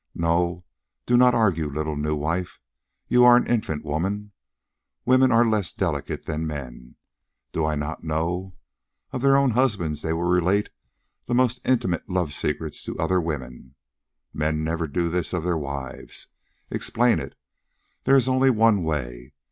No, do not argue, little new wife. You are an infant woman. Women are less delicate than men. Do I not know? Of their own husbands they will relate the most intimate love secrets to other women. Men never do this of their wives. Explain it. There is only one way.